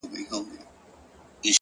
مثبت بدلون کوچني پیلونه لري!